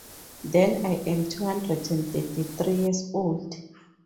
Then I am two hundred and thirty-three years old!